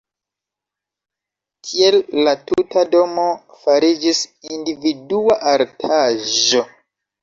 Tiel la tuta domo fariĝis individua artaĵo.